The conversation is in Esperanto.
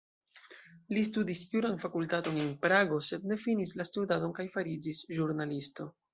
Li studis juran fakultaton en Prago, sed ne finis la studadon kaj fariĝis ĵurnalisto.